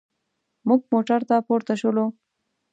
موږ موټر ته پورته شولو.